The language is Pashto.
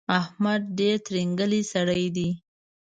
احمد ډېر ترینګلی سړی دی.